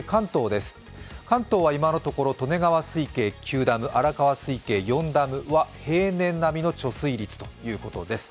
関東は今のところ利根川水系９ダム荒川水系４ダムは平年並みの貯水率ということです。